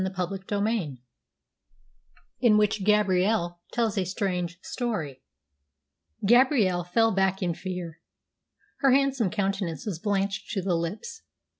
CHAPTER XXXVI IN WHICH GABRIELLE TELLS A STRANGE STORY Gabrielle fell back in fear. Her handsome countenance was blanched to the lips.